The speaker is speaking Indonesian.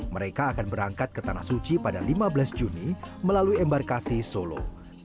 mereka akan berangkat ke tanah suci pada lima belas juni melalui embarkasi solo